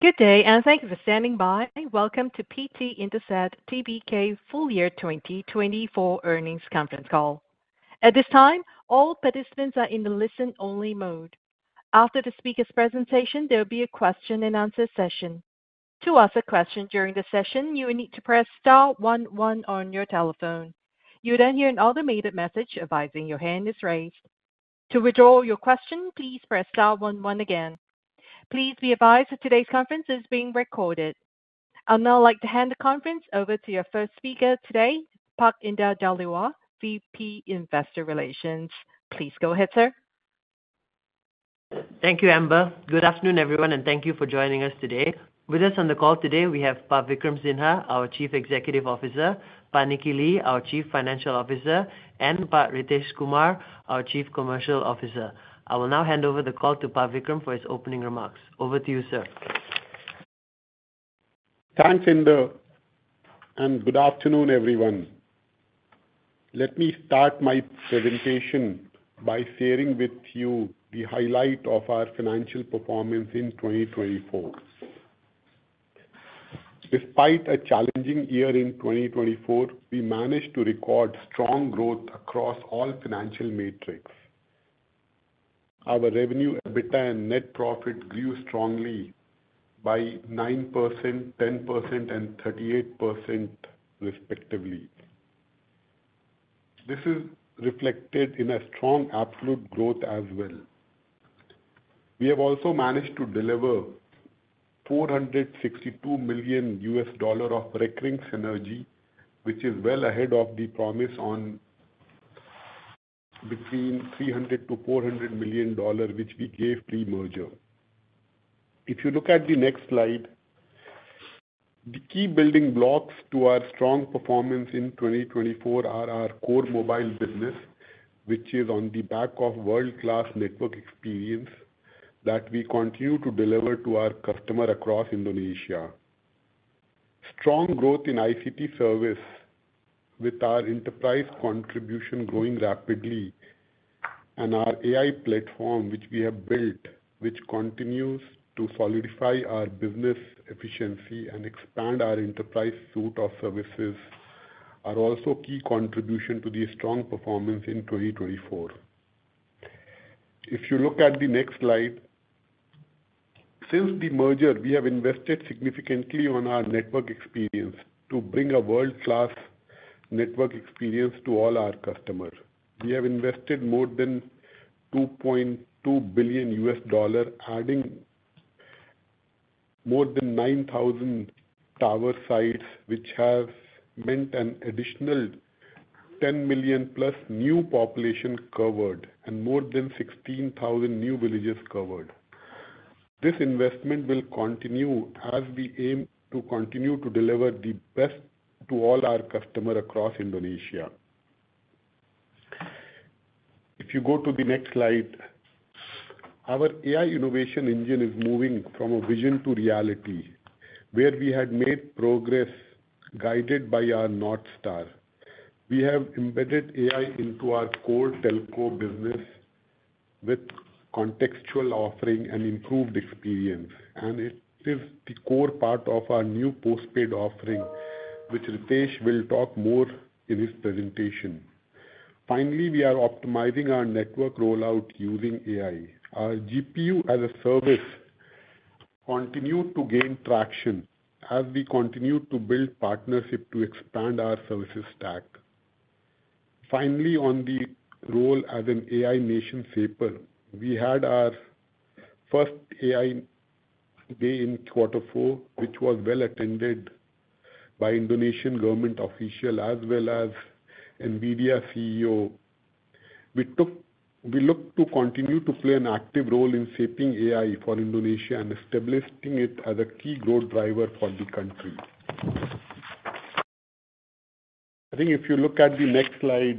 Good day, and thank you for standing by. Welcome to PT Indosat Tbk Full Year 2024 Earnings Conference Call. At this time, all participants are in the listen-only mode. After the speaker's presentation, there will be a question-and-answer session. To ask a question during the session, you will need to press star one, one on your telephone. You will then hear an automated message advising your hand is raised. To withdraw your question, please press star one one again. Please be advised that today's conference is being recorded. I'd now like to hand the conference over to your first speaker today, Indar Dhaliwal, VP Investor Relations. Please go ahead, sir. Thank you, Amber. Good afternoon, everyone, and thank you for joining us today. With us on the call today, we have Pak Vikram Sinha, our Chief Executive Officer, Pak Nicky Lee, our Chief Financial Officer, and Pak Ritesh Kumar, our Chief Commercial Officer. I will now hand over the call to Pak Vikram for his opening remarks. Over to you, sir. Thanks, Indar, and good afternoon, everyone. Let me start my presentation by sharing with you the highlight of our financial performance in 2024. Despite a challenging year in 2024, we managed to record strong growth across all financial metrics. Our revenue, EBITDA, and net profit grew strongly by 9%, 10%, and 38%, respectively. This is reflected in a strong absolute growth as well. We have also managed to deliver $462 million of recurring synergy, which is well ahead of the promise between $300-$400 million which we gave pre-merger. If you look at the next slide, the key building blocks to our strong performance in 2024 are our core mobile business, which is on the back of world-class network experience that we continue to deliver to our customer across Indonesia. Strong growth in ICT service, with our enterprise contribution growing rapidly, and our AI platform which we have built, which continues to solidify our business efficiency and expand our enterprise suite of services, are also key contributions to the strong performance in 2024. If you look at the next slide, since the merger, we have invested significantly in our network experience to bring a world-class network experience to all our customers. We have invested more than $2.2 billion, adding more than 9,000 tower sites, which have meant an additional 10 million plus new population covered and more than 16,000 new villages covered. This investment will continue as we aim to continue to deliver the best to all our customers across Indonesia. If you go to the next slide, our AI innovation engine is moving from a vision to reality, where we had made progress guided by our North Star. We have embedded AI into our core telco business with contextual offering and improved experience, and it is the core part of our new postpaid offering, which Ritesh will talk more about in his presentation. Finally, we are optimizing our network rollout using AI. Our GPU as a Service continued to gain traction as we continued to build partnerships to expand our services stack. Finally, on the role as an AI Nation Shaper, we had our first AI Day in Q4, which was well attended by the Indonesian government official as well as NVIDIA CEO. We look to continue to play an active role in shaping AI for Indonesia and establishing it as a key growth driver for the country. I think if you look at the next slide,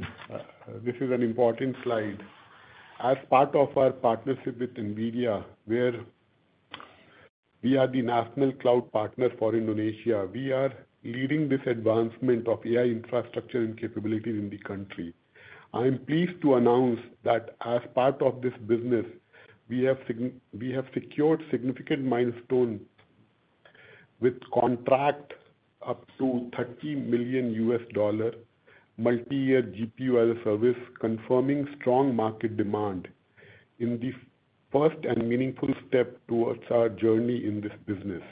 this is an important slide. As part of our partnership with NVIDIA, where we are the national cloud partner for Indonesia, we are leading this advancement of AI infrastructure and capabilities in the country. I am pleased to announce that as part of this business, we have secured significant milestones with contracts up to $30 million multi-year GPU as a Service, confirming strong market demand in the first, and meaningful step towards our journey in this business.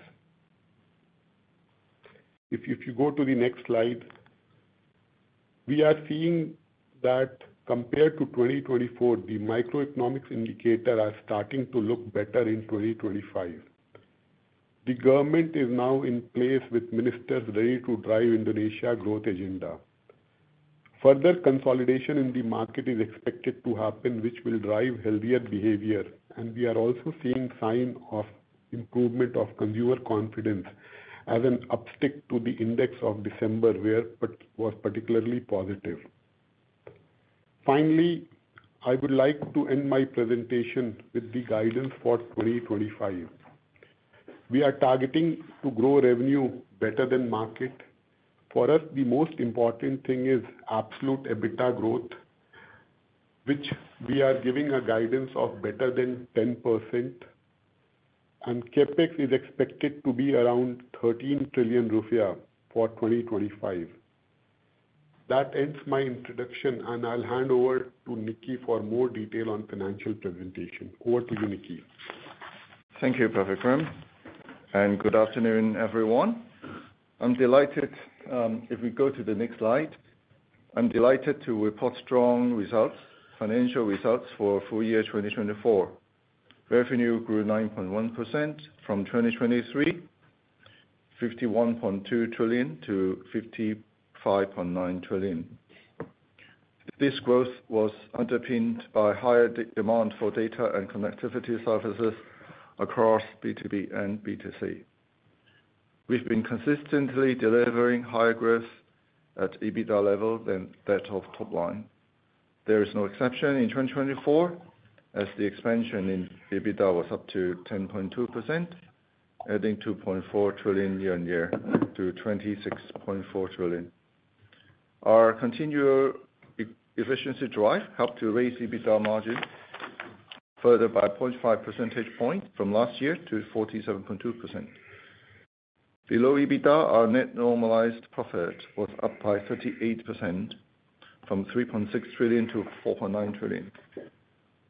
If you go to the next slide, we are seeing that compared to 2024, the macroeconomic indicators are starting to look better in 2025. The government is now in place with ministers ready to drive Indonesia's growth agenda. Further consolidation in the market is expected to happen, which will drive healthier behavior, and we are also seeing signs of improvement of consumer confidence as an uptick to the index of December, which was particularly positive. Finally, I would like to end my presentation with the guidance for 2025. We are targeting to grow revenue better than the market. For us, the most important thing is absolute EBITDA growth, which we are giving a guidance of better than 10%, and CapEx is expected to be around 13 trillion rupiah for 2025. That ends my introduction, and I'll hand over to Nicky for more detail on the financial presentation. Over to you, Nicky. Thank you, Pak Vikram, and good afternoon, everyone. I'm delighted if we go to the next slide. I'm delighted to report strong results, financial results for FY 2024. Revenue grew 9.1% from 2023, 51.2 trillion to 55.9 trillion. This growth was underpinned by higher demand for data and connectivity services across B2B and B2C. We've been consistently delivering higher growth at EBITDA level than that of the top line. There is no exception in 2024, as the expansion in EBITDA was up to 10.2%, adding 2.4 trillion year-on-year to 26.4 trillion. Our continual efficiency drive helped to raise EBITDA margin further by 0.5 percentage points from last year to 47.2%. Below EBITDA, our net normalized profit was up by 38% from 3.6 trillion to 4.9 trillion.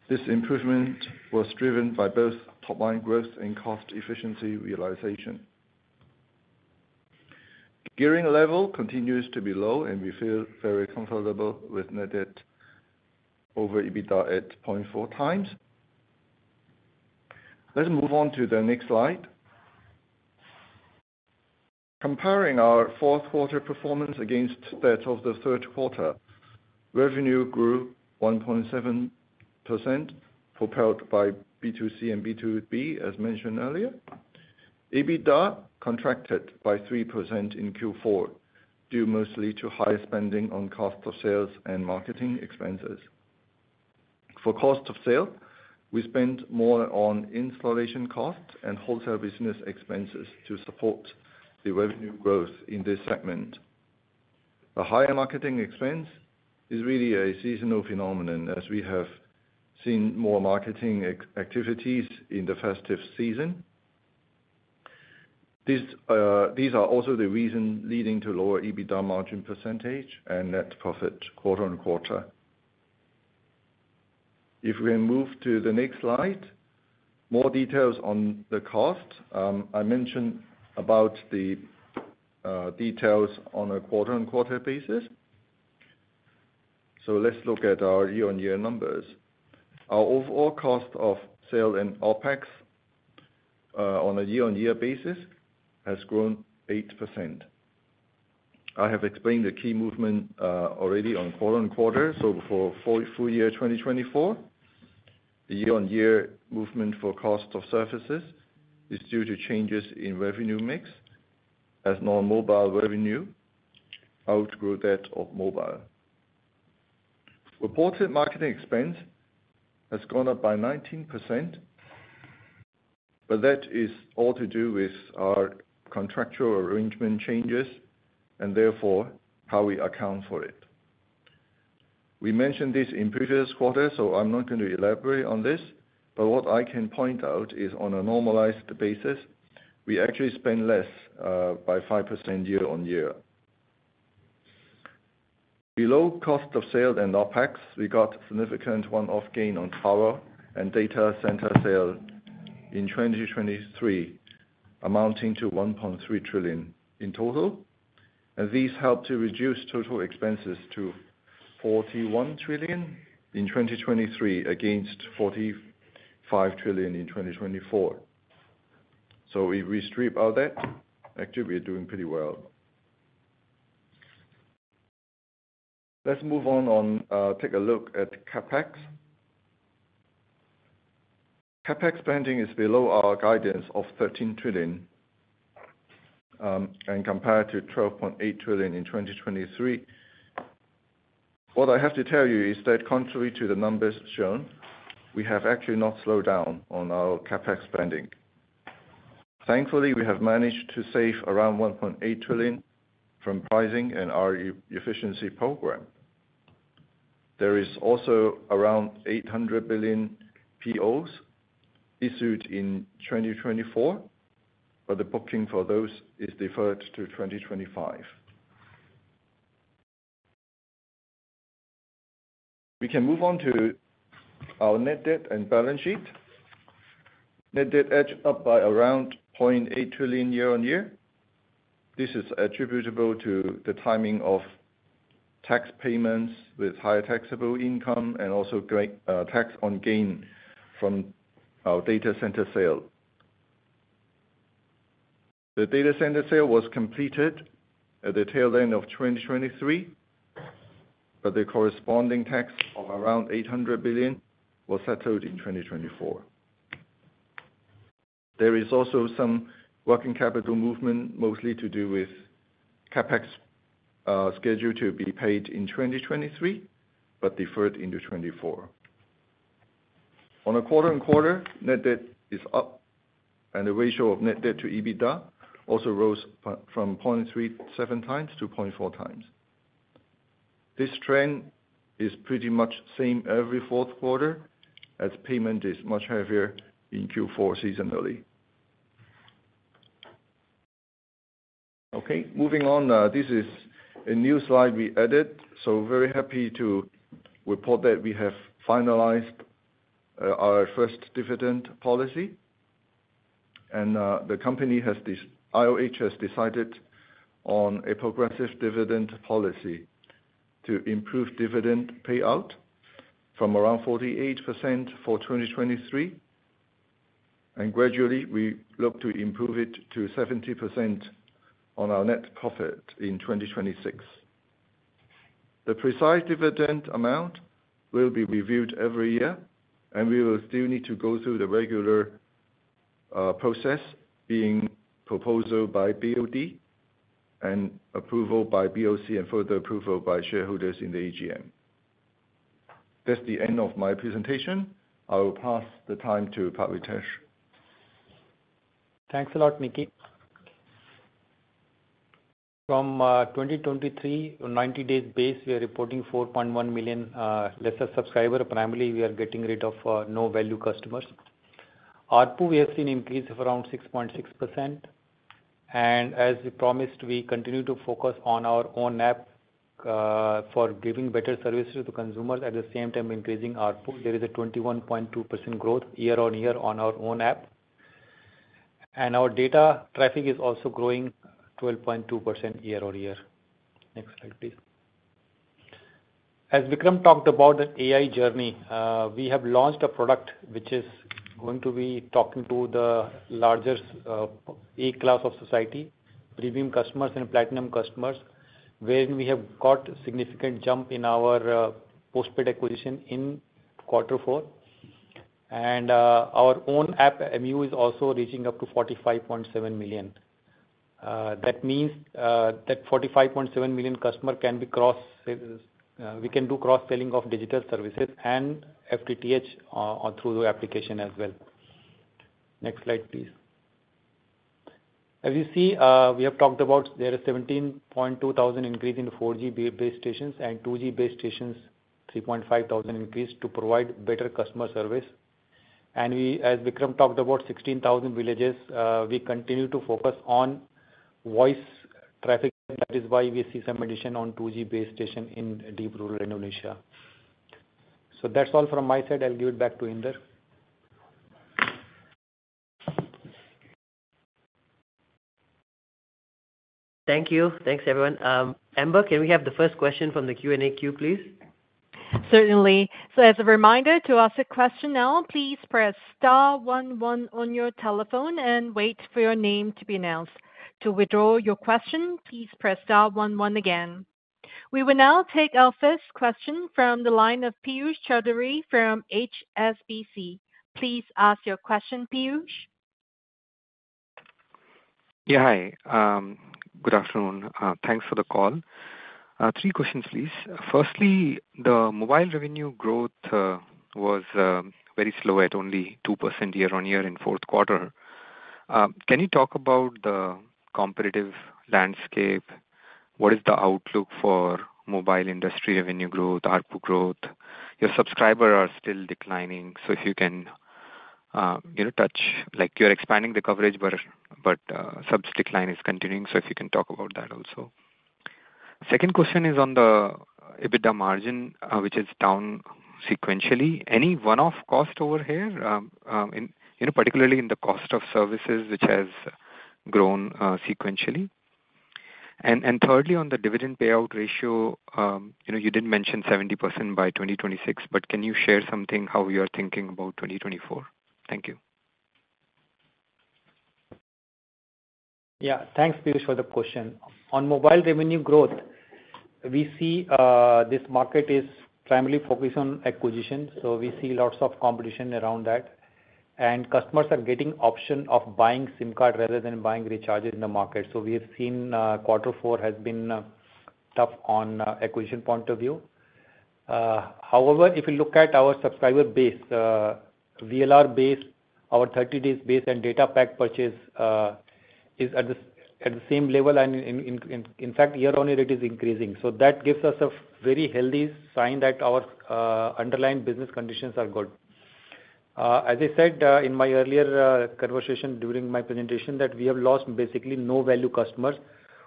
This improvement was driven by both top-line growth and cost efficiency realization. Gearing level continues to be low, and we feel very comfortable with net debt over EBITDA at 0.4 times. Let's move on to the next slide. Comparing our fourth-quarter performance against that of the third quarter, revenue grew 1.7%, propelled by B2C and B2B, as mentioned earlier. EBITDA contracted by 3% in Q4, due mostly to higher spending on cost of sales and marketing expenses. For cost of sale, we spent more on installation costs and wholesale business expenses to support the revenue growth in this segment. The higher marketing expense is really a seasonal phenomenon, as we have seen more marketing activities in the festive season. These are also the reasons leading to lower EBITDA margin percentage and net profit quarter on quarter. If we can move to the next slide, more details on the cost. I mentioned about the details on a quarter-on-quarter basis. So let's look at our year-on-year numbers. Our overall cost of sales and OpEx on a year-on-year basis has grown 8%. I have explained the key movement already on quarter-on-quarter. So for FY 2024, the year-on-year movement for cost of services is due to changes in revenue mix as non-mobile revenue outgrew that of mobile. Reported marketing expense has gone up by 19%, but that is all to do with our contractual arrangement changes and therefore how we account for it. We mentioned this in previous quarters, so I'm not going to elaborate on this, but what I can point out is on a normalized basis, we actually spent less by 5% year-on-year. Below cost of sales and OpEx, we got significant one-off gain on power and data center sales in 2023, amounting to 1.3 trillion in total, and these helped to reduce total expenses to 41 trillion in 2023 against 45 trillion in 2024. So if we strip out that, actually we're doing pretty well. Let's move on and take a look at CapEx. CapEx spending is below our guidance of 13 trillion and compared to 12.8 trillion in 2023. What I have to tell you is that contrary to the numbers shown, we have actually not slowed down on our CapEx spending. Thankfully, we have managed to save around 1.8 trillion from pricing and our efficiency program. There is also around 800 billion POs issued in 2024, but the booking for those is deferred to 2025. We can move on to our net debt and balance sheet. Net debt edged up by around 0.8 trillion year-on-year. This is attributable to the timing of tax payments with higher taxable income and also tax on gain from our data center sale. The data center sale was completed at the tail end of 2023, but the corresponding tax of around 800 billion was settled in 2024. There is also some working capital movement, mostly to do with CapEx scheduled to be paid in 2023 but deferred into 2024. On a quarter-on-quarter, net debt is up, and the ratio of net debt to EBITDA also rose from 0.37 times to 0.4 times. This trend is pretty much the same every Q4, as payment is much heavier in Q4 seasonally. Okay, moving on, this is a new slide we added, so very happy to report that we have finalized our first dividend policy, and the company, this IOH, has decided on a progressive dividend policy to improve dividend payout from around 48% for 2023, and gradually we look to improve it to 70% on our net profit in 2026. The precise dividend amount will be reviewed every year, and we will still need to go through the regular process, being proposed by BOD and approval by BOC and further approval by shareholders in the AGM. That's the end of my presentation. I will pass the time to Pak Ritesh. Thanks a lot, Nicky. From 2023, on a 90-day basis, we are reporting 4.1 million lesser subscribers. Primarily, we are getting rid of no-value customers. Our ARPU we have seen increase of around 6.6%, and as we promised, we continue to focus on our own app for giving better services to consumers at the same time increasing our ARPU. There is a 21.2% growth year-on-year on our own app, and our data traffic is also growing 12.2% year-on-year. Next slide, please. As Vikram talked about the AI journey, we have launched a product which is going to be talking to the larger A-class of society, premium customers and platinum customers, wherein we have got a significant jump in our postpaid acquisition in Q4, and our own app myIM3 is also reaching up to 45.7 million. That means that 45.7 million customers can be cross—we can do cross-selling of digital services and FTTH through the application as well. Next slide, please. As you see, we have talked about there is a 17.2 thousand increase in 4G base stations and 2G base stations, 3.5 thousand increase to provide better customer service, and we, as Vikram talked about, 16,000 villages. We continue to focus on voice traffic. That is why we see some addition on 2G base stations in deep rural Indonesia. So that's all from my side. I'll give it back to Indar. Thank you. Thanks, everyone. Amber, can we have the first question from the Q&A queue, please? Certainly. So as a reminder to ask a question now, please press star one, one on your telephone and wait for your name to be announced. To withdraw your question, please press star one, one again. We will now take our first question from the line of Piyush Choudhary from HSBC. Please ask your question, Piyush. Yeah, hi. Good afternoon. Thanks for the call. Three questions, please. Firstly, the mobile revenue growth was very slow at only 2% year-on-year in Q4. Can you talk about the competitive landscape? What is the outlook for mobile industry revenue growth, ARPU growth? Your subscribers are still declining, so if you can touch—like you're expanding the coverage, but subs' decline is continuing, so if you can talk about that also. Second question is on the EBITDA margin, which is down sequentially. Any one-off cost over here, particularly in the cost of services, which has grown sequentially? And thirdly, on the dividend payout ratio, you did mention 70% by 2026, but can you share something how you are thinking about 2024? Thank you. Yeah, thanks, Piyush, for the question. On mobile revenue growth, we see this market is primarily focused on acquisition, so we see lots of competition around that, and customers are getting the option of buying SIM cards rather than buying recharges in the market. So we have seen Q4 has been tough on the acquisition point of view. However, if you look at our subscriber base, VLR base, our 30-day base, and data pack purchase is at the same level, and in fact, year-on-year, it is increasing. So that gives us a very healthy sign that our underlying business conditions are good. As I said in my earlier conversation during my presentation, that we have lost basically no-value customers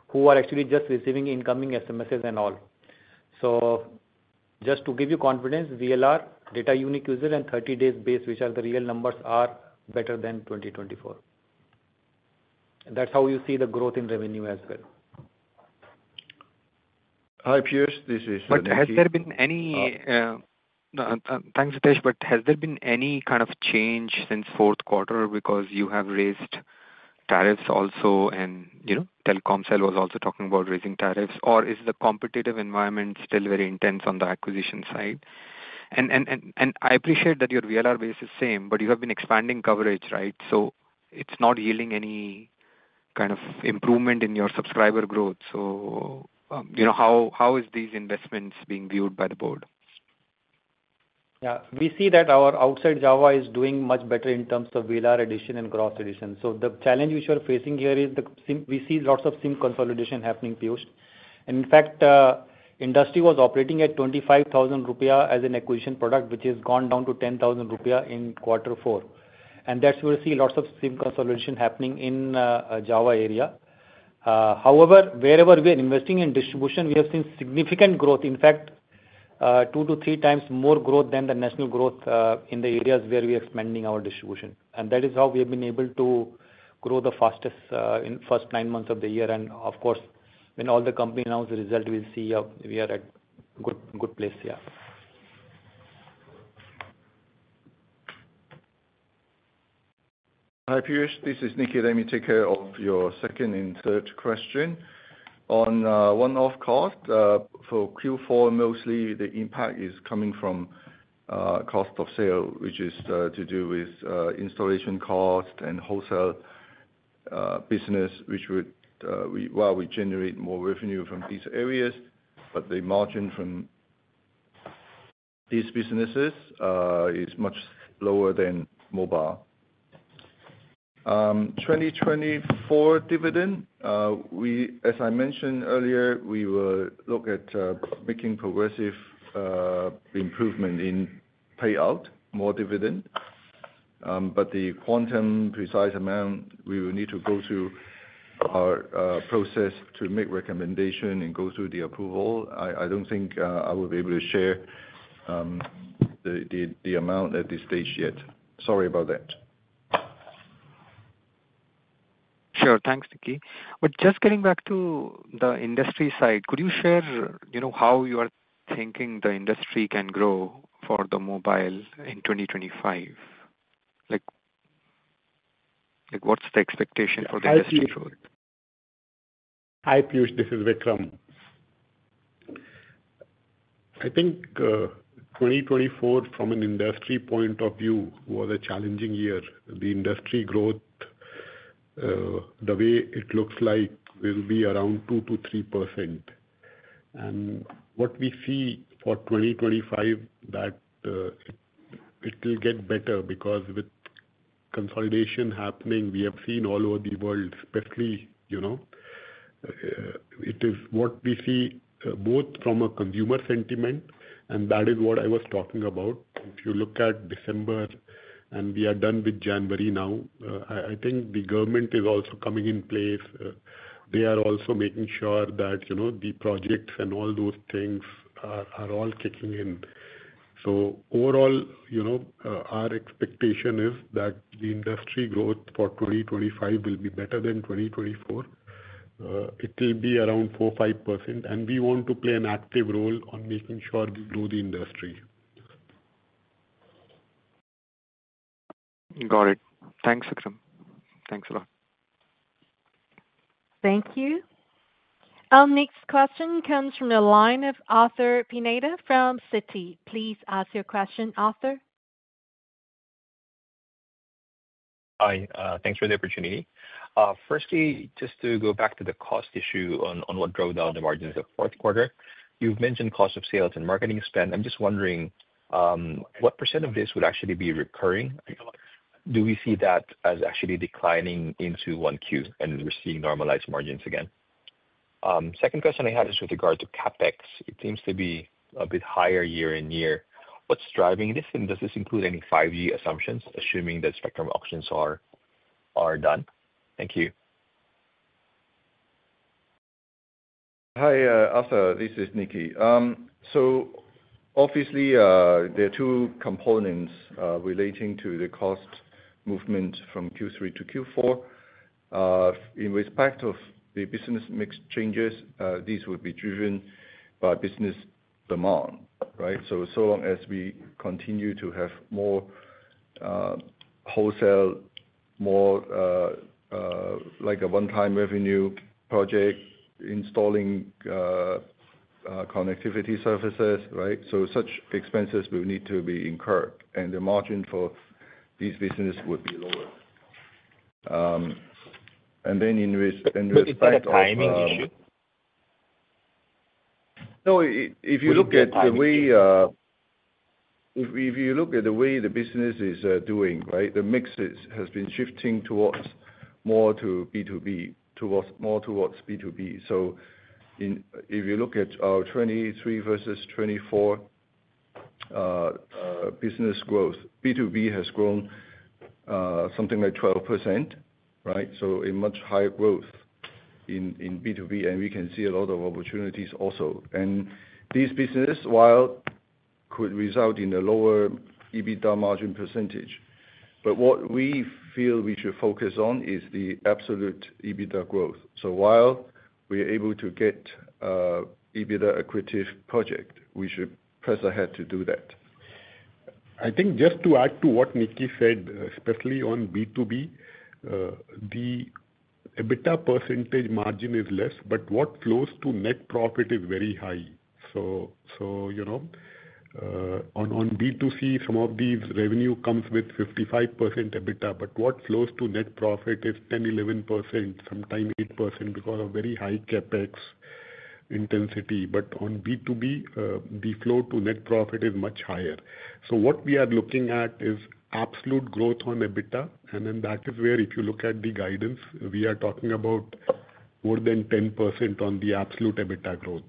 who are actually just receiving incoming SMSs and all. So just to give you confidence, VLR, data unique user, and 30-day base, which are the real numbers, are better than 2024. That's how you see the growth in revenue as well. Hi, Piyush. This is Ritesh Kumar. But has there been any, thanks, Ritesh, but has there been any kind of change since Q4 because you have raised tariffs also, and Telkomsel was also talking about raising tariffs, or is the competitive environment still very intense on the acquisition side? And I appreciate that your VLR base is same, but you have been expanding coverage, right? So it's not yielding any kind of improvement in your subscriber growth. So how are these investments being viewed by the board? Yeah, we see that our outside Java is doing much better in terms of VLR addition and gross addition. So the challenge which we are facing here is we see lots of SIM consolidation happening, Piyush. And in fact, the industry was operating at 25,000 rupiah as an acquisition product, which has gone down to 10,000 rupiah in Q4. And that's where we see lots of SIM consolidation happening in the Java area. However, wherever we are investing in distribution, we have seen significant growth, in fact, two to three times more growth than the national growth in the areas where we are expanding our distribution. And that is how we have been able to grow the fastest in the first nine months of the year. And of course, when all the company announces the result, we'll see we are at a good place here. Hi, Piyush. This is Nicky. Let me take care of your second and third question. On one-off cost for Q4, mostly the impact is coming from cost of sale, which is to do with installation cost and wholesale business. While we generate more revenue from these areas, the margin from these businesses is much lower than mobile. 2024 dividend, as I mentioned earlier, we will look at making progressive improvement in payout, more dividend. But the quantum precise amount, we will need to go through our process to make recommendation and go through the approval. I don't think I will be able to share the amount at this stage yet. Sorry about that. Sure. Thanks, Nicky, but just getting back to the industry side, could you share how you are thinking the industry can grow for the mobile in 2025? What's the expectation for the industry growth? Hi, Piyush. This is Vikram. I think 2024, from an industry point of view, was a challenging year. The industry growth, the way it looks like, will be around 2%-3%, and what we see for 2025, that it will get better because with consolidation happening, we have seen all over the world, especially, it is what we see both from a consumer sentiment, and that is what I was talking about. If you look at December, and we are done with January now, I think the government is also coming in place. They are also making sure that the projects and all those things are all kicking in. So overall, our expectation is that the industry growth for 2025 will be better than 2024. It will be around 4%-5%, and we want to play an active role on making sure we grow the industry. Got it. Thanks, Vikram. Thanks a lot. Thank you. Our next question comes from the line of Arthur Pineda from Citi. Please ask your question, Arthur. Hi. Thanks for the opportunity. Firstly, just to go back to the cost issue on what drove down the margins of Q4, you've mentioned cost of sales and marketing spend. I'm just wondering, what % of this would actually be recurring? Do we see that as actually declining into Q1 and receiving normalized margins again? Second question I had is with regard to CapEx. It seems to be a bit higher year-on-year. What's driving this, and does this include any 5G assumptions, assuming that spectrum auctions are done? Thank you. Hi, Arthur. This is Nicky, so obviously there are two components relating to the cost movement from Q3 to Q4. In respect of the business mix changes, these will be driven by business demand, right? So as long as we continue to have more wholesale, more like a one-time revenue project, installing connectivity services, right, so such expenses will need to be incurred, and the margin for these businesses would be lower, and then in respect of. Is that a timing issue? No, if you look at the way, if you look at the way the business is doing, right, the mix has been shifting towards more to B2B, towards more towards B2B. So if you look at our 2023 versus 2024 business growth, B2B has grown something like 12%, right? So a much higher growth in B2B, and we can see a lot of opportunities also. And these businesses, while it could result in a lower EBITDA margin percentage, but what we feel we should focus on is the absolute EBITDA growth. So while we are able to get EBITDA-accretive project, we should press ahead to do that. I think just to add to what Nicky said, especially on B2B, the EBITDA percentage margin is less, but what flows to net profit is very high. So on B2C, some of these revenue comes with 55% EBITDA, but what flows to net profit is 10%, 11%, sometimes 8% because of very high CapEx intensity. But on B2B, the flow to net profit is much higher. So what we are looking at is absolute growth on EBITDA, and then that is where, if you look at the guidance, we are talking about more than 10% on the absolute EBITDA growth.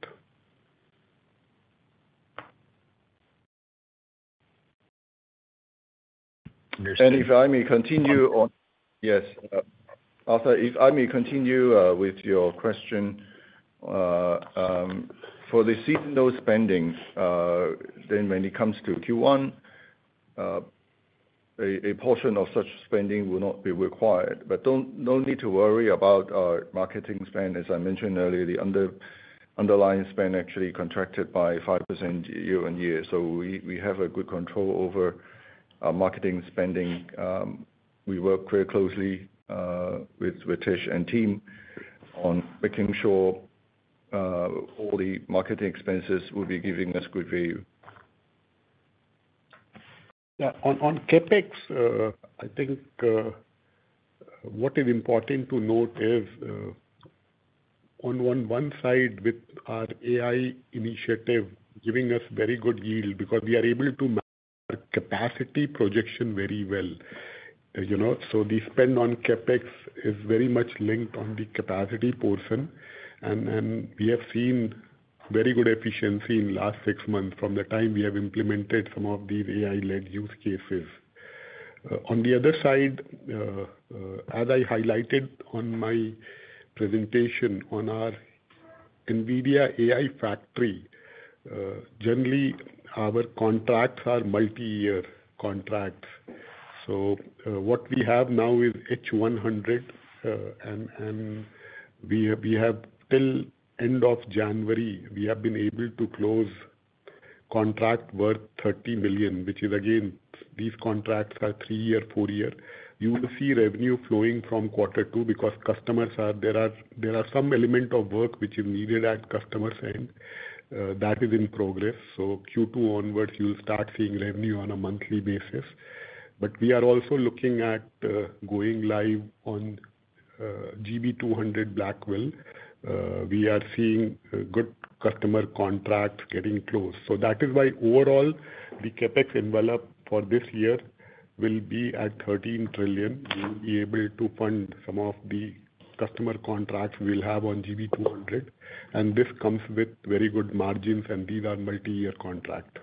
And if I may continue on, yes, Arthur, if I may continue with your question, for the seasonal spending, then when it comes to Q1, a portion of such spending will not be required. But no need to worry about our marketing spend. As I mentioned earlier, the underlying spend actually contracted by 5% year-on-year. So we have a good control over marketing spending. We work very closely with Ritesh and team on making sure all the marketing expenses will be giving us good value. Yeah. On CapEx, I think what is important to note is, on one side, with our AI initiative giving us very good yield because we are able to map our capacity projection very well. So the spend on CapEx is very much linked on the capacity portion, and we have seen very good efficiency in the last six months from the time we have implemented some of these AI-led use cases. On the other side, as I highlighted on my presentation on our NVIDIA AI Factory, generally, our contracts are multi-year contracts. So what we have now is H100, and we have till end of January, we have been able to close contract worth $30 million, which is, again, these contracts are three-year, four-year. You will see revenue flowing from quarter two because customers are, there are some elements of work which are needed at customer's end that is in progress. So Q2 onwards, you'll start seeing revenue on a monthly basis. But we are also looking at going live on GB200 Blackwell. We are seeing good customer contracts getting close. So that is why overall, the CapEx envelope for this year will be at 13 trillion. We will be able to fund some of the customer contracts we'll have on GB200, and this comes with very good margins, and these are multi-year contracts.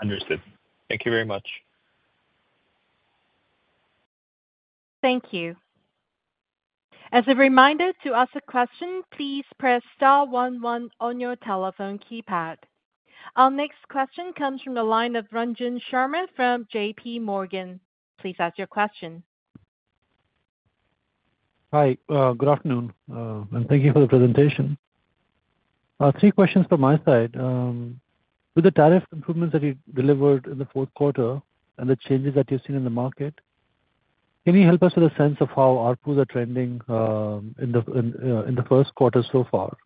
Understood. Thank you very much. Thank you. As a reminder to ask a question, please press star one, one on your telephone keypad. Our next question comes from the line of Ranjan Sharma from J.P. Morgan. Please ask your question. Hi. Good afternoon, and thank you for the presentation. Three questions from my side. With the tariff improvements that you delivered in the Q4 and the changes that you've seen in the market, can you help us with a sense of how ARPU is trending in the Q1 so far?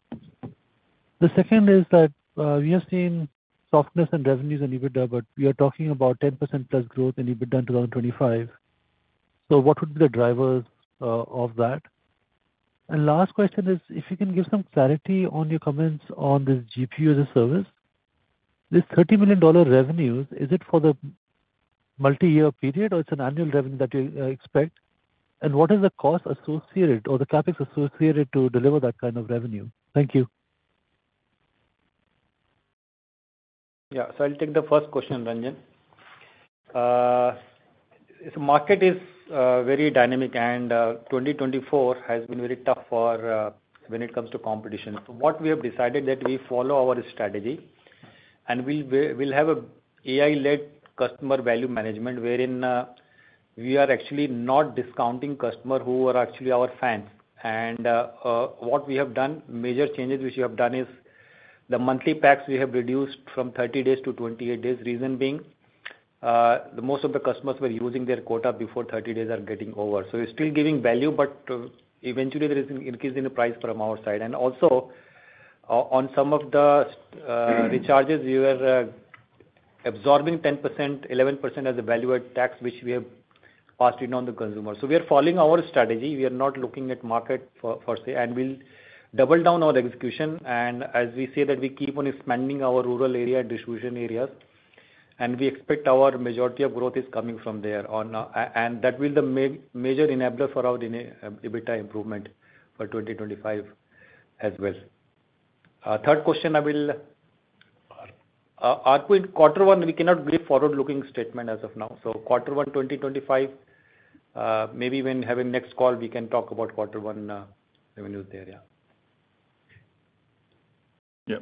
The second is that we have seen softness in revenues and EBITDA, but we are talking about 10% plus growth in EBITDA in 2025. So what would be the drivers of that? And last question is, if you can give some clarity on your comments on this GPU as a Service, this $30 million revenue, is it for the multi-year period, or it's an annual revenue that you expect? And what is the cost associated or the CapEx associated to deliver that kind of revenue? Thank you. Yeah. So I'll take the first question, Ranjan. So the market is very dynamic, and 2024 has been very tough for when it comes to competition. So what we have decided is that we follow our strategy, and we'll have an AI-led customer value management wherein we are actually not discounting customers who are actually our fans. And what we have done, major changes which we have done is the monthly packs we have reduced from 30 days to 28 days, reason being most of the customers were using their quota before 30 days are getting over. So we're still giving value, but eventually, there is an increase in the price from our side. And also, on some of the recharges, we are absorbing 10%, 11% as a value-added tax, which we have passed it on to the consumers. So we are following our strategy. We are not looking at market for sale, and we'll double down on execution, and as we say that we keep on expanding our rural area distribution areas, and we expect our majority of growth is coming from there, and that will be the major enabler for our EBITDA improvement for 2025 as well. Third question, I will. Arthur, quarter one, we cannot give forward-looking statement as of now. So quarter one 2025, maybe when we have a next call, we can talk about quarter one revenues there. Yeah. Yeah.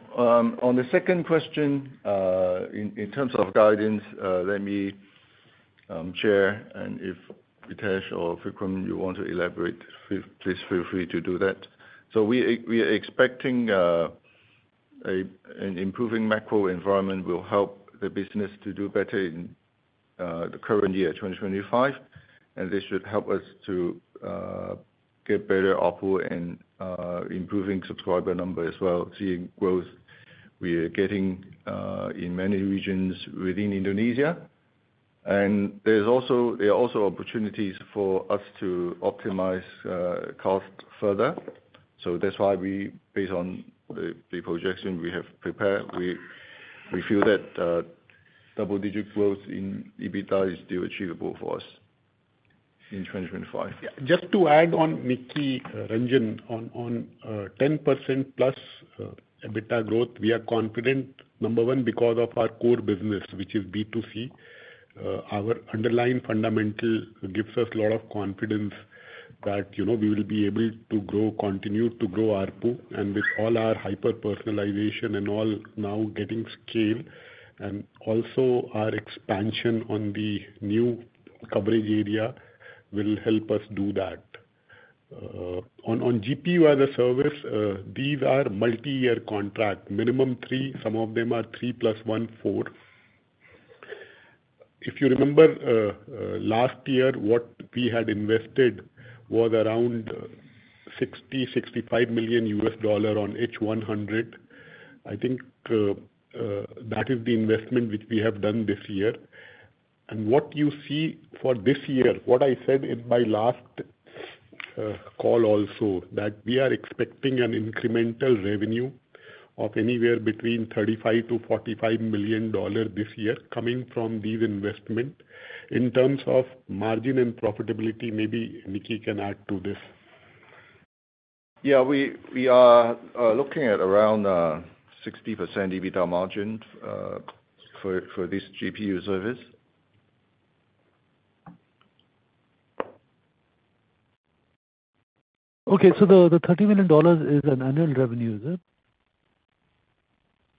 On the second question, in terms of guidance, let me share. And if Ritesh or Vikram, you want to elaborate, please feel free to do that. So we are expecting an improving macro environment will help the business to do better in the current year, 2025. And this should help us to get better output and improving subscriber number as well, seeing growth we are getting in many regions within Indonesia. And there are also opportunities for us to optimize cost further. So that's why we, based on the projection we have prepared, we feel that double-digit growth in EBITDA is still achievable for us in 2025. Yeah. Just to add on, Nicky. Ranjan, on 10% plus EBITDA growth, we are confident, number one, because of our core business, which is B2C. Our underlying fundamental gives us a lot of confidence that we will be able to continue to grow our pool, and with all our hyper-personalization and all now getting scale, and also our expansion on the new coverage area will help us do that. On GPU as a Service, these are multi-year contracts, minimum three. Some of them are three plus one, four. If you remember last year, what we had invested was around $60-$65 million on H100. I think that is the investment which we have done this year. And what you see for this year, what I said in my last call also, that we are expecting an incremental revenue of anywhere between $35-$45 million this year coming from these investments. In terms of margin and profitability, maybe Nicky can add to this. Yeah. We are looking at around 60% EBITDA margin for this GPU service. Okay. So the $30 million is an annual revenue, is it?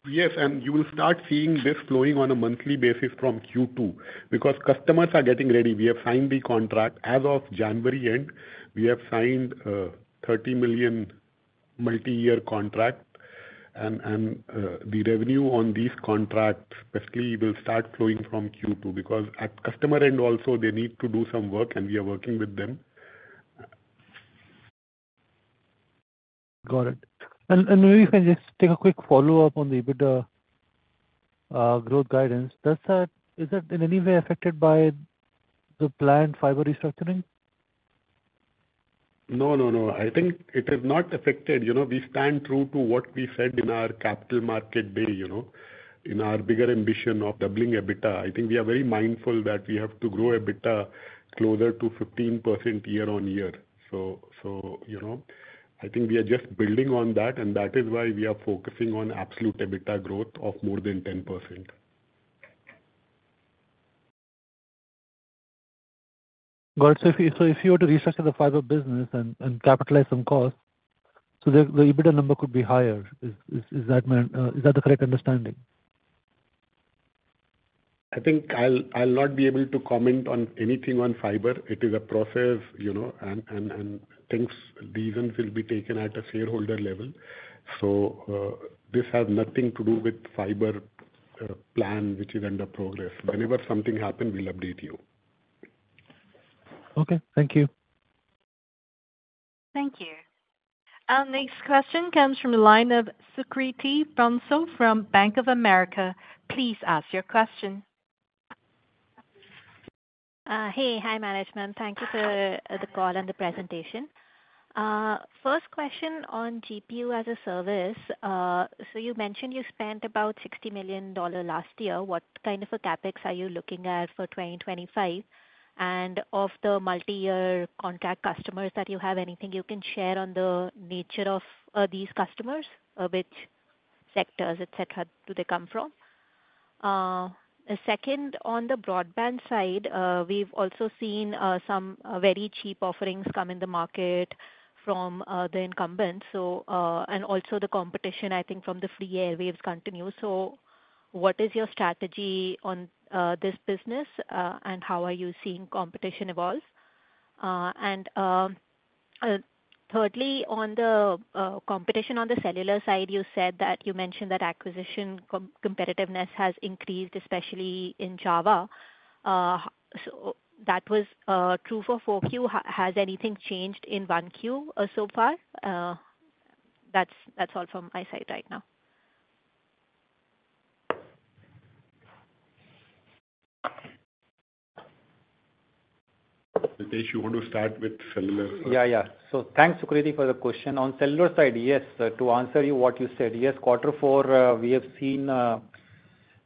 Yes, and you will start seeing this flowing on a monthly basis from Q2 because customers are getting ready. We have signed the contract. As of January end, we have signed a $30 million multi-year contract. And the revenue on these contracts, basically, will start flowing from Q2 because at customer end, also, they need to do some work, and we are working with them. Got it. And maybe if I just take a quick follow-up on the EBITDA growth guidance, is that in any way affected by the planned fiber restructuring? No, no, no. I think it is not affected. We stand true to what we said in our Capital Market Day, in our bigger ambition of doubling EBITDA. I think we are very mindful that we have to grow EBITDA closer to 15% year-on-year. So I think we are just building on that, and that is why we are focusing on absolute EBITDA growth of more than 10%. Got it. So if you were to restructure the fiber business and capitalize some costs, so the EBITDA number could be higher. Is that the correct understanding? I think I'll not be able to comment on anything on fiber. It is a process, and things, decisions will be taken at a shareholder level. So this has nothing to do with fiber plan, which is under progress. Whenever something happens, we'll update you. Okay. Thank you. Thank you. Our next question comes from the line of Sukriti Bansal from Bank of America. Please ask your question. Hey, hi management. Thank you for the call and the presentation. First question on GPU as a Service. So you mentioned you spent about $60 million last year. What kind of a CapEx are you looking at for 2025? And of the multi-year contract customers that you have, anything you can share on the nature of these customers, which sectors, etc., do they come from? Second, on the broadband side, we've also seen some very cheap offerings come in the market from the incumbents. And also, the competition, I think, from the free airwaves continues. So what is your strategy on this business, and how are you seeing competition evolve? And thirdly, on the competition on the cellular side, you said that you mentioned that acquisition competitiveness has increased, especially in Java. So that was true for Q4. Has anything changed in Q1 so far? That's all from my side right now. Ritesh, you want to start with cellular? Yeah, yeah. So thanks, Sukriti, for the question. On cellular side, yes, to answer you what you said, yes, quarter four, we have seen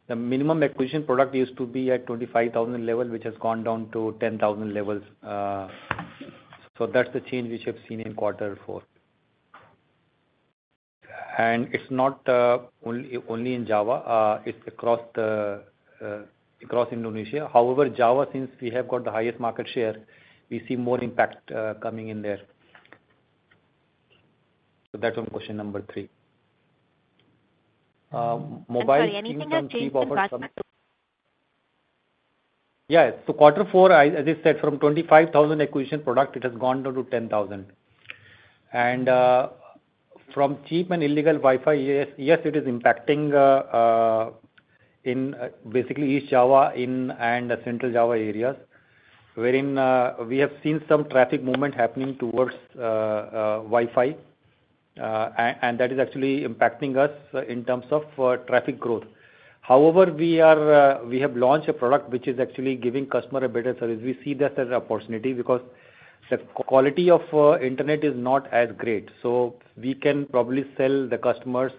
the minimum acquisition product used to be at 25,000 level, which has gone down to 10,000 levels. So that's the change which we have seen in quarter four, and it's not only in Java. It's across Indonesia. However, Java, since we have got the highest market share, we see more impact coming in there. So that's on question number three. Sorry, anything Yeah. So quarter four, as I said, from 25,000 acquisition product, it has gone down to 10,000. And from cheap and illegal Wi-Fi, yes, it is impacting basically East Java and Central Java areas, wherein we have seen some traffic movement happening towards Wi-Fi. And that is actually impacting us in terms of traffic growth. However, we have launched a product which is actually giving customers a better service. We see this as an opportunity because the quality of internet is not as great. So we can probably sell the customers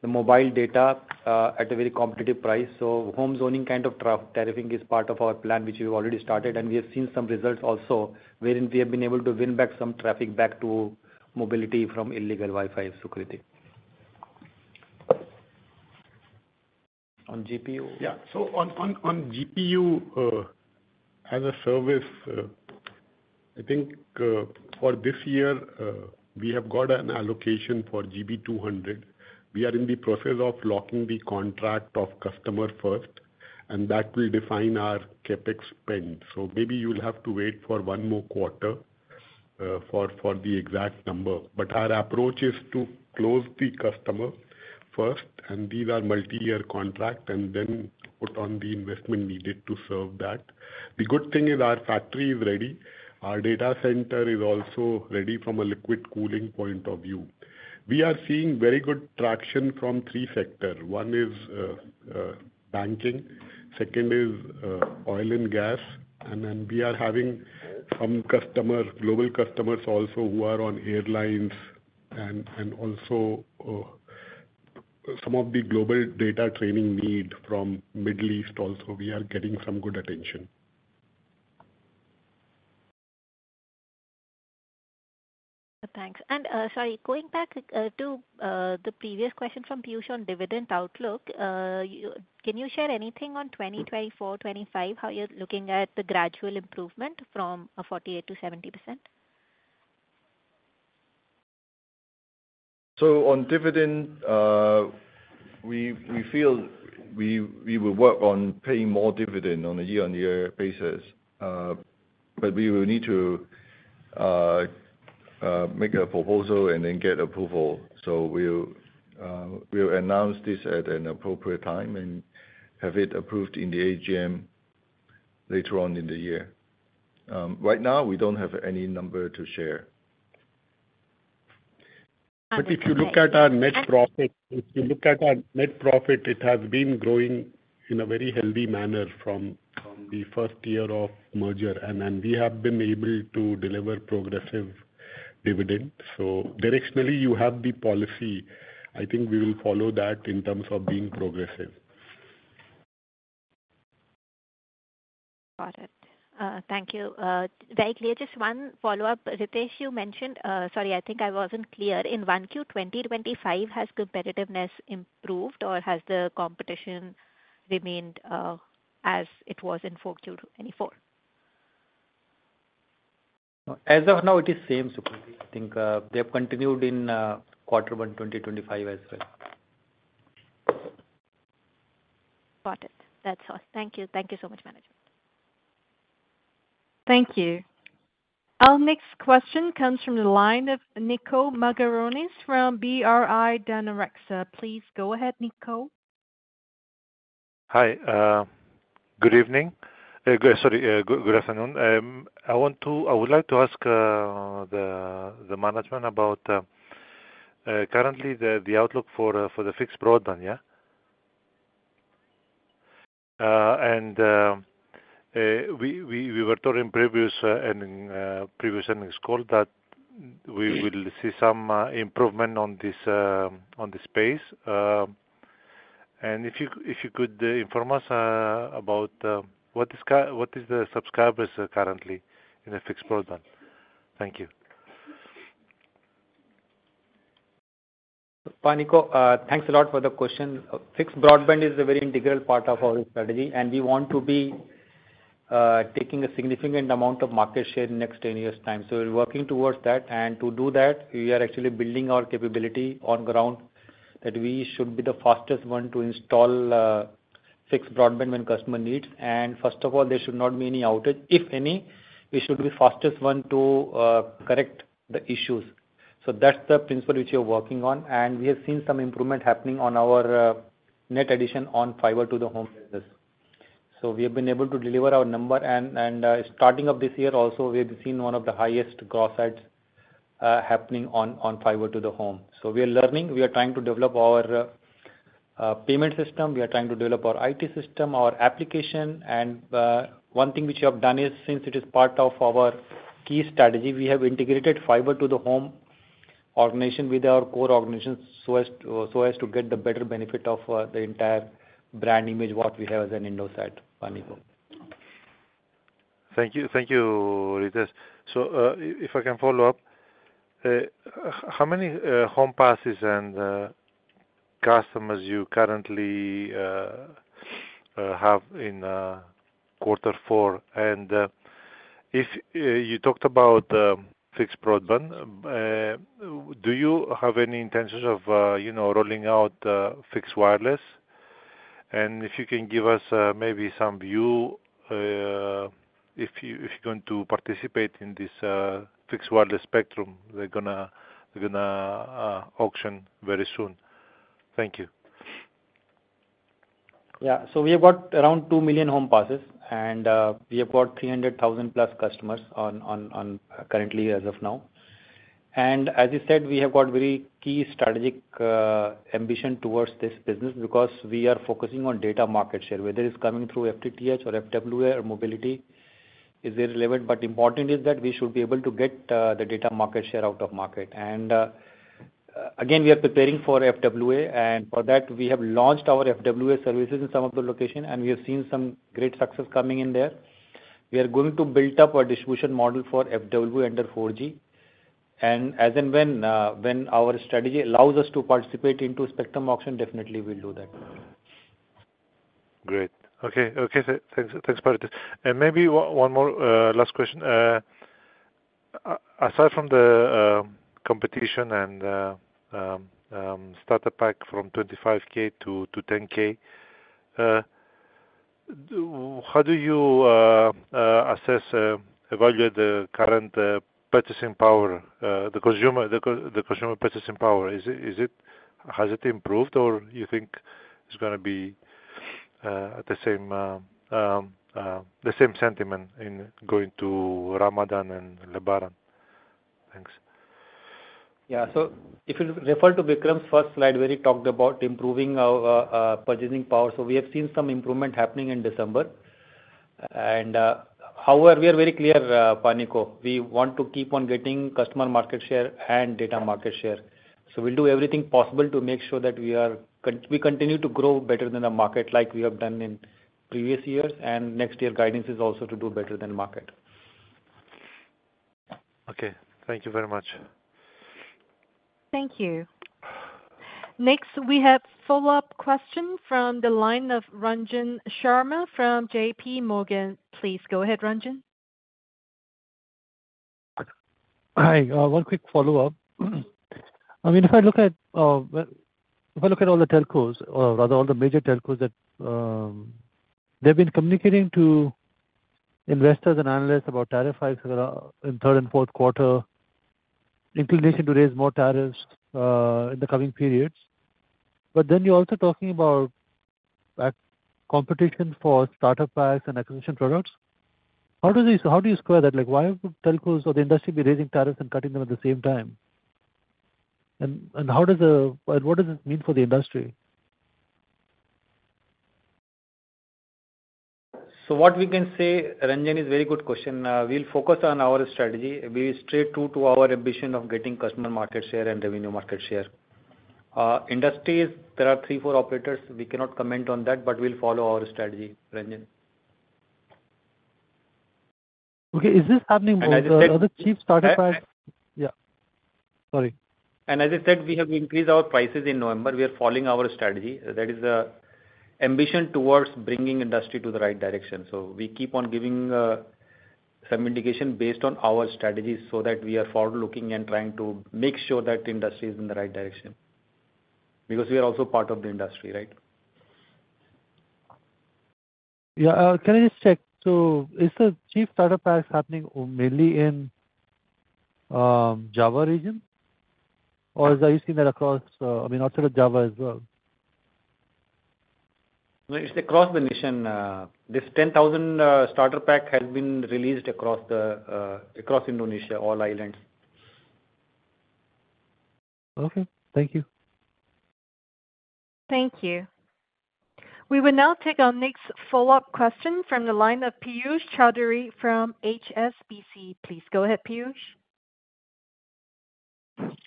the mobile data at a very competitive price. So home zoning kind of tariffing is part of our plan, which we've already started. And we have seen some results also, wherein we have been able to win back some traffic back to mobility from illegal Wi-Fi, Sukriti. On GPU? Yeah. So on GPU as a Service, I think for this year, we have got an allocation for GB200. We are in the process of locking the contract of customer first, and that will define our CapEx spend. So maybe you'll have to wait for one more quarter for the exact number. But our approach is to close the customer first, and these are multi-year contracts, and then put on the investment needed to serve that. The good thing is our factory is ready. Our data center is also ready from a liquid cooling point of view. We are seeing very good traction from three sectors. One is banking. Second is oil and gas. And then we are having some customers, global customers also, who are on airlines. And also, some of the global data training need from Middle East also, we are getting some good attention. Thanks. And sorry, going back to the previous question from Piyush on dividend outlook, can you share anything on 2024, 2025, how you're looking at the gradual improvement from 48% to 70%? So on dividend, we feel we will work on paying more dividend on a year-on-year basis. But we will need to make a proposal and then get approval. So we'll announce this at an appropriate time and have it approved in the AGM later on in the year. Right now, we don't have any number to share. But if you look at our net profit, if you look at our net profit, it has been growing in a very healthy manner from the first year of merger. And then we have been able to deliver progressive dividend. So directionally, you have the policy. I think we will follow that in terms of being progressive. Got it. Thank you. Very clear. Just one follow-up. Ritesh, you mentioned, sorry, I think I wasn't clear, in Q1 2025, has competitiveness improved, or has the competition remained as it was in Q4 2024? As of now, it is same, Sukriti. I think they have continued in quarter one, 2025 as well. Got it. That's all. Thank you. Thank you so much, management. Thank you. Our next question comes from the line of Niko Margaronis from BRI Danareksa. Please go ahead, Niko. Hi. Good evening. Sorry, good afternoon. I would like to ask the management about currently the outlook for the fixed broadband, yeah? And we were told in previous earnings call that we will see some improvement on this space. And if you could inform us about what is the subscribers currently in the fixed broadband? Thank you. Hi, Niko. Thanks a lot for the question. Fixed broadband is a very integral part of our strategy, and we want to be taking a significant amount of market share in the next 10 years' time. So we're working towards that, and to do that, we are actually building our capability on ground that we should be the fastest one to install fixed broadband when customer needs. And first of all, there should not be any outage. If any, we should be the fastest one to correct the issues. So that's the principle which we are working on, and we have seen some improvement happening on our net addition on fiber to the home business. So we have been able to deliver our number, and starting of this year also, we have seen one of the highest gross adds happening on fiber to the home. So we are learning. We are trying to develop our payment system. We are trying to develop our IT system, our application. And one thing which we have done is, since it is part of our key strategy, we have integrated fiber-to-the-home organization with our core organization so as to get the better benefit of the entire brand image what we have as an Indosat Ooredoo Hutchison. Thank you, Ritesh. So if I can follow up, how many home passes and customers do you currently have in Q4? And if you talked about fixed broadband, do you have any intentions of rolling out fixed wireless? And if you can give us maybe some view if you're going to participate in this fixed wireless spectrum, they're going to auction very soon. Thank you. Yeah. So we have got around 2 million home passes, and we have got 300,000 plus customers currently as of now. And as you said, we have got very key strategic ambition towards this business because we are focusing on data market share. Whether it's coming through FTTH or FWA or mobility is irrelevant. But important is that we should be able to get the data market share out of market. And again, we are preparing for FWA. And for that, we have launched our FWA services in some of the locations, and we have seen some great success coming in there. We are going to build up a distribution model for FWA under 4G. And as and when our strategy allows us to participate in spectrum auction, definitely we'll do that. Great. Okay. Okay. Thanks. And maybe one more last question. Aside from the competition and starter pack from 25K to 10K, how do you assess, evaluate the current purchasing power, the consumer purchasing power? Has it improved, or you think it's going to be the same sentiment in going to Ramadan and Lebaran? Thanks. Yeah. So if you refer to Vikram's first slide where he talked about improving our purchasing power, so we have seen some improvement happening in December. And however, we are very clear, Pak Niko. We want to keep on getting customer market share and data market share. So we'll do everything possible to make sure that we continue to grow better than the market like we have done in previous years. And next year, guidance is also to do better than market. Okay. Thank you very much. Thank you. Next, we have a follow-up question from the line of Ranjan Sharma from J.P. Morgan. Please go ahead, Ranjan. Hi. One quick follow-up. I mean, if I look at all the telcos, rather all the major telcos that they've been communicating to investors and analysts about tariff hikes in third and Q4, inclination to raise more tariffs in the coming periods. But then you're also talking about competition for starter packs and acquisition products. How do you square that? Why would telcos or the industry be raising tariffs and cutting them at the same time? And what does it mean for the industry? So what we can say, Ranjan, is a very good question. We'll focus on our strategy. We will stay true to our ambition of getting customer market share and revenue market share. In Indonesia, there are three, four operators. We cannot comment on that, but we'll follow our strategy, Ranjan. Okay. Is this happening more? Are there cheap starter packs? Yeah. Sorry. As it said, we have increased our prices in November. We are following our strategy. That is the ambition towards bringing industry to the right direction. We keep on giving some indication based on our strategies so that we are forward-looking and trying to make sure that industry is in the right direction because we are also part of the industry, right? Yeah. Can I just check? So is the cheap starter packs happening mainly in Java region? Or are you seeing that across, I mean, outside of Java as well? It's across the nation. This 10,000 starter pack has been released across Indonesia, all islands. Okay. Thank you. Thank you. We will now take our next follow-up question from the line of Piyush Choudhary from HSBC. Please go ahead, Piyush.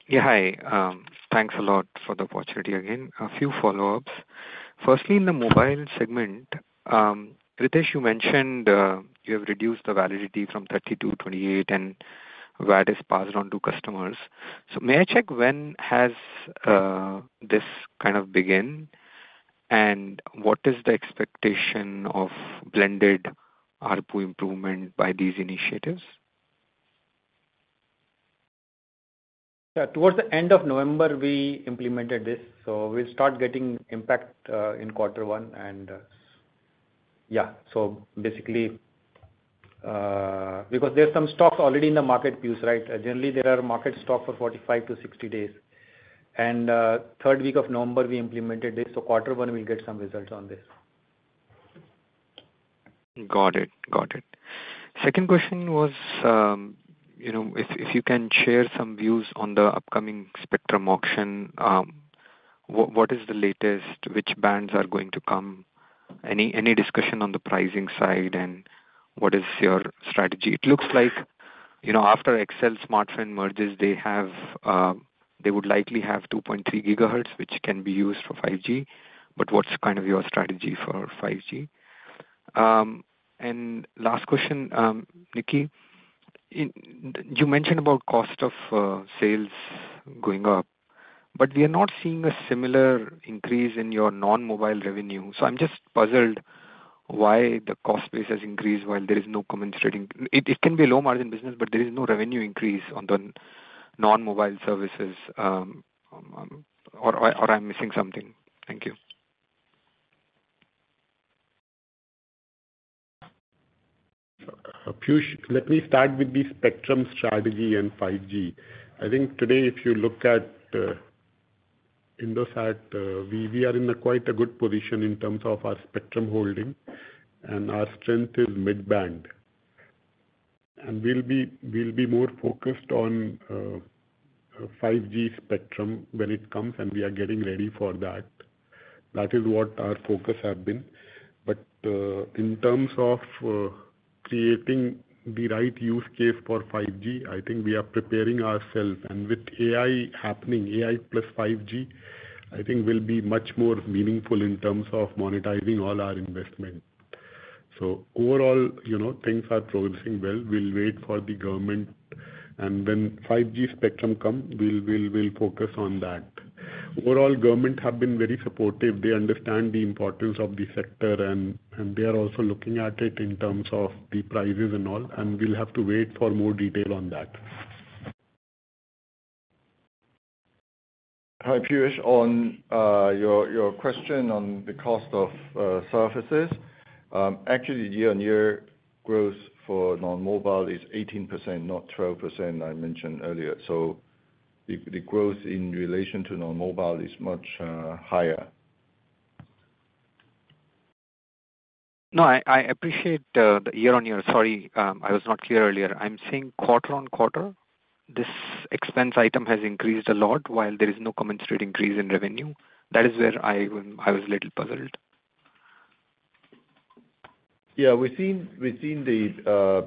Yeah. Hi. Thanks a lot for the opportunity again. A few follow-ups. Firstly, in the mobile segment, Ritesh, you mentioned you have reduced the validity from 30 to 28, and VAT is passed on to customers. So may I check when has this kind of begun? And what is the expectation of blended ARPU improvement by these initiatives? Yeah. Towards the end of November, we implemented this. So we'll start getting impact in quarter one. And yeah. So basically, because there are some stocks already in the market, Piyush, right? Generally, there are market stocks for 45-60 days. And third week of November, we implemented this. So quarter one, we'll get some results on this. Got it. Got it. Second question was if you can share some views on the upcoming spectrum auction. What is the latest? Which bands are going to come? Any discussion on the pricing side? And what is your strategy? It looks like after XL Smartfren mergers, they would likely have 2.3 gigahertz, which can be used for 5G. But what's kind of your strategy for 5G? And last question, Nicky, you mentioned about cost of sales going up, but we are not seeing a similar increase in your non-mobile revenue. So I'm just puzzled why the cost base has increased while there is no commensurate. It can be a low-margin business, but there is no revenue increase on the non-mobile services. Or I'm missing something. Thank you. Piyush, let me start with the spectrum strategy and 5G. I think today, if you look at Indosat, we are in quite a good position in terms of our spectrum holding, and our strength is mid-band, and we'll be more focused on 5G spectrum when it comes, and we are getting ready for that. That is what our focus has been, but in terms of creating the right use case for 5G, I think we are preparing ourselves, and with AI happening, AI plus 5G, I think will be much more meaningful in terms of monetizing all our investment, so overall, things are progressing well. We'll wait for the government, and when 5G spectrum comes, we'll focus on that. Overall, government have been very supportive. They understand the importance of the sector, and they are also looking at it in terms of the prices and all. We'll have to wait for more detail on that. Hi, Piyush. On your question on the cost of services, actually, year-on-year growth for non-mobile is 18%, not 12% I mentioned earlier. So the growth in relation to non-mobile is much higher. No, I appreciate the year-on-year. Sorry, I was not clear earlier. I'm seeing quarter on quarter, this expense item has increased a lot while there is no commensurate increase in revenue. That is where I was a little puzzled. Yeah. Within the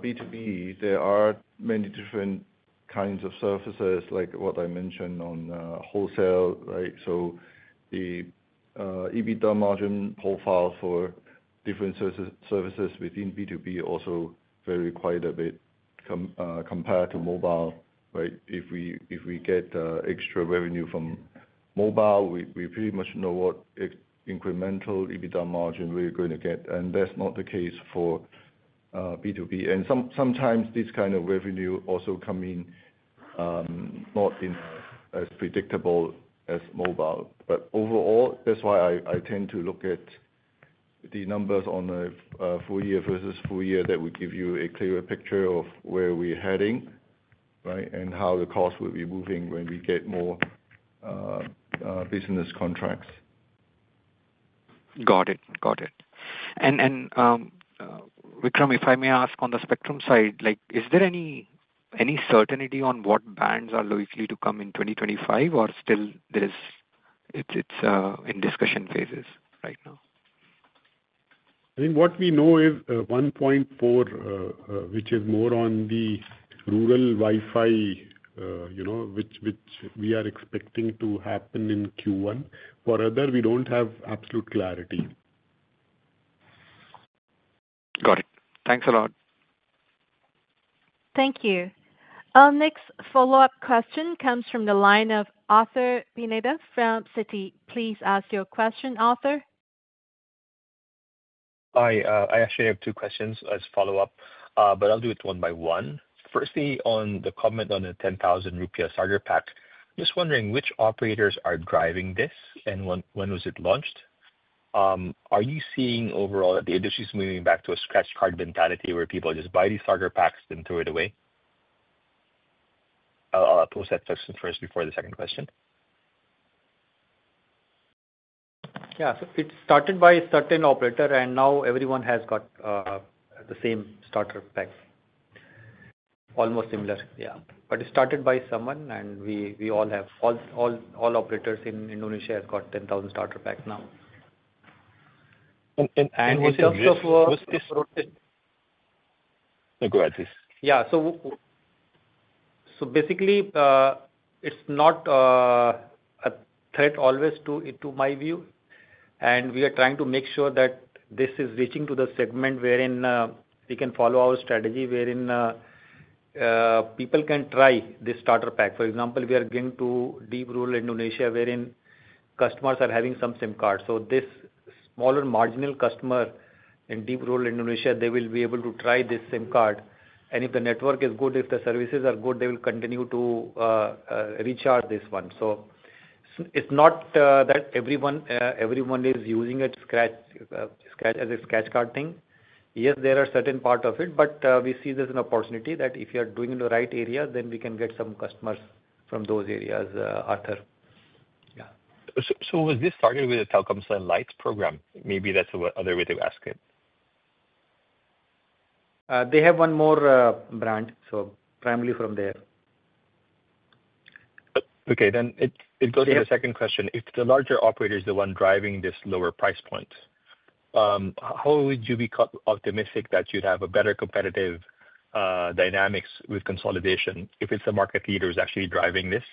B2B, there are many different kinds of services like what I mentioned on wholesale, right? So the EBITDA margin profile for different services within B2B also vary quite a bit compared to mobile, right? If we get extra revenue from mobile, we pretty much know what incremental EBITDA margin we're going to get. And that's not the case for B2B. And sometimes this kind of revenue also comes in not as predictable as mobile. But overall, that's why I tend to look at the numbers on a full year versus full year that will give you a clearer picture of where we're heading, right, and how the cost will be moving when we get more business contracts. Got it. Got it. And Vikram, if I may ask on the spectrum side, is there any certainty on what bands are likely to come in 2025, or still it's in discussion phases right now? I think what we know is 1.4, which is more on the rural Wi-Fi, which we are expecting to happen in Q1. For other, we don't have absolute clarity. Got it. Thanks a lot. Thank you. Our next follow-up question comes from the line of Arthur Pineda from Citi. Please ask your question, Arthur. Hi. I actually have two questions as follow-up, but I'll do it one by one. Firstly, on the comment on the 10,000 rupiah starter pack, just wondering which operators are driving this and when was it launched? Are you seeing overall that the industry is moving back to a scratch card mentality where people just buy these starter packs and throw it away? I'll post that question first before the second question. Yeah. So it started by a certain operator, and now everyone has got the same starter pack, almost similar. Yeah. But it started by someone, and we all have all operators in Indonesia have got 10,000 starter packs now. In terms of. We're still. Go ahead, please. Yeah. So basically, it's not a threat always to my view. And we are trying to make sure that this is reaching to the segment wherein we can follow our strategy wherein people can try this starter pack. For example, we are going to deep rural Indonesia wherein customers are having some SIM cards. So this smaller marginal customer in deep rural Indonesia, they will be able to try this SIM card. And if the network is good, if the services are good, they will continue to recharge this one. So it's not that everyone is using it as a scratch card thing. Yes, there are certain parts of it, but we see this as an opportunity that if you are doing in the right area, then we can get some customers from those areas, Arthur. Yeah. Was this started with the Telkomsel Lite program? Maybe that's another way to ask it. They have one more brand, so primarily from there. Okay. Then it goes to the second question. If the larger operator is the one driving this lower price point, how would you be optimistic that you'd have a better competitive dynamics with consolidation if it's a market leader who's actually driving this?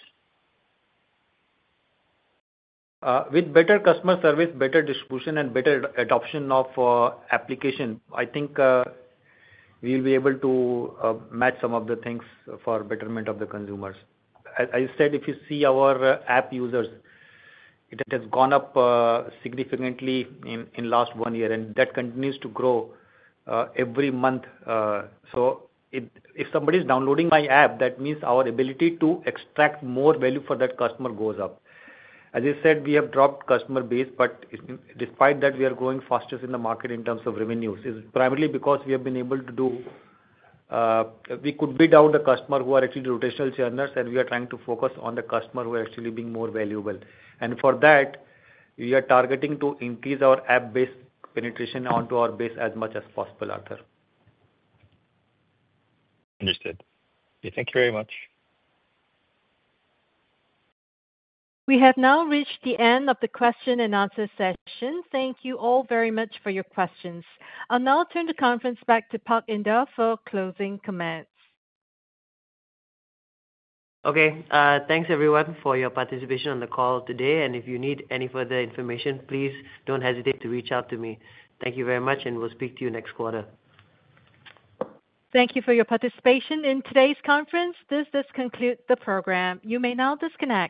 With better customer service, better distribution, and better adoption of application, I think we'll be able to match some of the things for betterment of the consumers. As I said, if you see our app users, it has gone up significantly in the last one year, and that continues to grow every month. So if somebody is downloading my app, that means our ability to extract more value for that customer goes up. As I said, we have dropped customer base, but despite that, we are growing fastest in the market in terms of revenues. It's primarily because we have been able to weed out the customer who are actually traditional channels, and we are trying to focus on the customer who are actually being more valuable, and for that, we are targeting to increase our app-based penetration onto our base as much as possible, Arthur. Understood. Thank you very much. We have now reached the end of the question and answer session. Thank you all very much for your questions. I'll now turn the conference back to Pak Indar for closing comments. Okay. Thanks, everyone, for your participation on the call today. And if you need any further information, please don't hesitate to reach out to me. Thank you very much, and we'll speak to you next quarter. Thank you for your participation in today's conference. This does conclude the program. You may now disconnect.